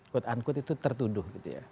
kut ankut itu tertuduh